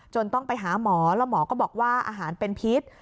ต้องไปหาหมอแล้วหมอก็บอกว่าอาหารเป็นพิษ